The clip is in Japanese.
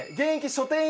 書店員？